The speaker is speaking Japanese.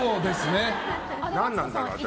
何なんだろう、私。